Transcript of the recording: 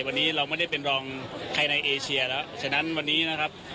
วันนี้เราไม่ได้เป็นรองใครในเอเชียแล้วฉะนั้นวันนี้นะครับ